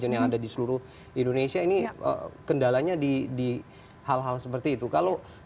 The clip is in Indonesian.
dari teman teman dari travel agent yang ada di seluruh indonesia ini kendalanya di hal hal seperti itu